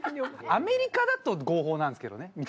アメリカだと合法なんですけどね。